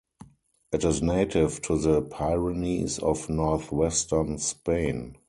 It is native to the Pyrenees of Northwestern Spain.